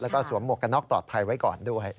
แล้วก็สวมหมวกกันตอบภัยไว้ก่อนด้วย